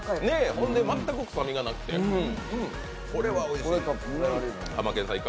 ほんで全く臭みがなくてこれはおいしい。